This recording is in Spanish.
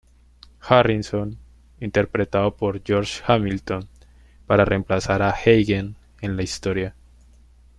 Harrison, interpretado por George Hamilton, para reemplazar a Hagen en la historia.